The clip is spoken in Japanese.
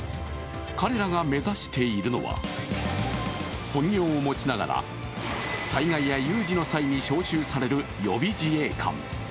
彼らが目指しているのは、本業を持ちながら災害や有事の際に招集される予備自衛官。